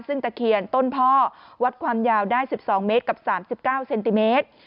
ซึ่งตะเคียนต้นพ่อวัดความยาวได้๑๒เมตรกับ๓๙เซนติเมตร